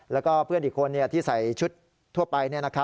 แล้วก็เพื่อนอีกคนที่ใส่ชุดทั่วไป